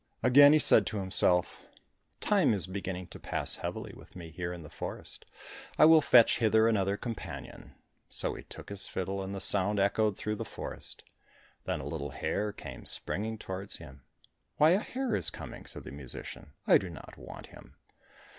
Again he said to himself, "Time is beginning to pass heavily with me here in the forest, I will fetch hither another companion," so he took his fiddle, and the sound echoed through the forest. Then a little hare came springing towards him. "Why, a hare is coming," said the musician, "I do not want him."